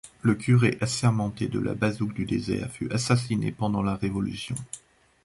Le curé assermenté de La Bazouge-du-Désert fut assassiné pendant la Révolution.